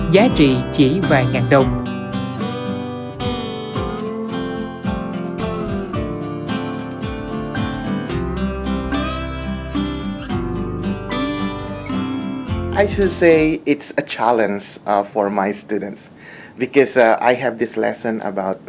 với hành trình này